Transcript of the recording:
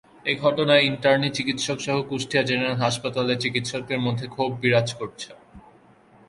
এ ঘটনায় ইন্টার্নি চিকিৎসকসহ কুষ্টিয়া জেনারেল হাসপাতালের চিকিৎসকদের মধ্যে ক্ষোভ বিরাজ করছে।